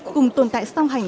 cùng tồn tại song hành